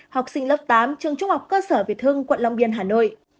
học sinh lớp tám trường trung học cơ sở việt hưng quận long biên hà nội